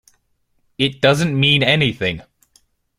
It doesn't mean anything.